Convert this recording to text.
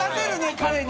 彼に。